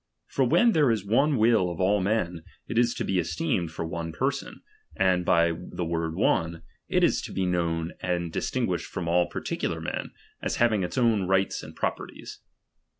For when there is one will of all men, it is to be esteemed for one peraon ; and by the word one, it is to be known and distinguished from all particular men, as hav I ing its own rights and properties.